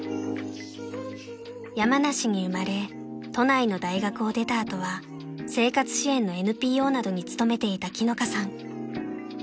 ［山梨に生まれ都内の大学を出た後は生活支援のＮＰＯなどに勤めていた樹乃香さん］